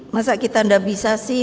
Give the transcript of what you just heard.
masa kita nggak bisa sih